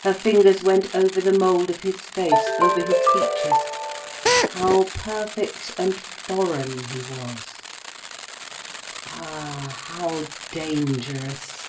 Her fingers went over the mould of his face, over his features. How perfect and foreign he was—ah how dangerous!